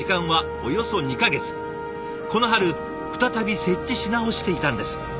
この春再び設置し直していたんです。